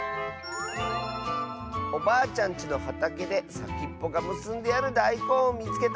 「おばあちゃんちのはたけでさきっぽがむすんであるだいこんをみつけた！」。